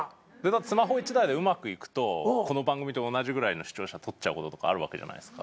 スマホ１台でうまくいくとこの番組と同じぐらいの視聴者取っちゃうこととかあるわけじゃないですか。